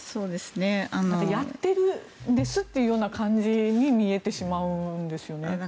やってるんですという感じに見えてしまうんですよね。